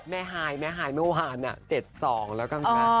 แม่หายเมื่อวาน๗๒แล้วก็มา